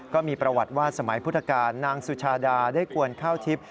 ก็มีประวัติว่าสมัยพุทธกาลนางสุชาดาได้กวนข้าวทิพย์